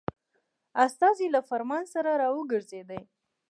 استازی له فرمان سره را وګرځېدی.